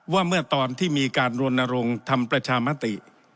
ว่าเมื่อตอนที่มีการรณรงค์ทำประชามติ